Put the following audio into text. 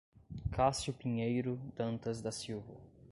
Cassio Pinheiro Dantas da Silva